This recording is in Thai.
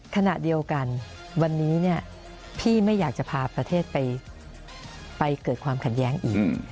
ขณะเดียวกันวันนี้พี่ไม่อยากจะพาประเทศไปเกิดความขัดแย้งอีก